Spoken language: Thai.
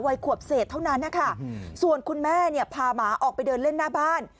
วัยขวบเศษเท่านั้นนะคะส่วนคุณแม่เนี่ยพาหมาออกไปเดินเล่นหน้าบ้าน